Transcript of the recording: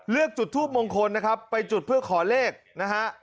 จุดทูปมงคลนะครับไปจุดเพื่อขอเลขนะฮะ